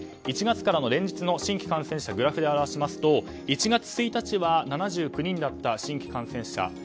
１月からの連日の新規感染者をグラフで表しますと１月１日は７９人だった新規感染者。